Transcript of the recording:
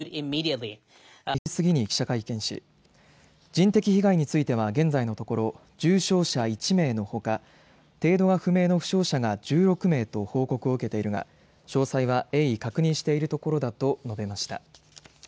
松野官房長官は午前１時過ぎに記者会見し、人的被害については現在のところ重傷者１名のほか程度は不明の負傷者が１６名と報告を受けているが詳細は鋭意確認しているところだと述べました。